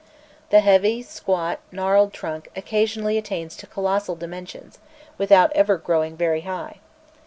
The heavy, squat, gnarled trunk occasionally attains to colossal dimensions, without ever growing very high.